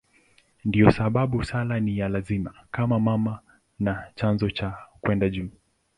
Ndiyo sababu sala ni ya lazima kama mama na chanzo cha kwenda juu.